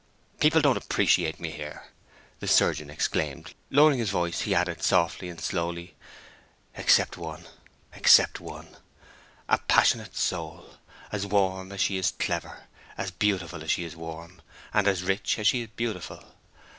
"People don't appreciate me here!" the surgeon exclaimed; lowering his voice, he added, softly and slowly, "except one—except one!...A passionate soul, as warm as she is clever, as beautiful as she is warm, and as rich as she is beautiful.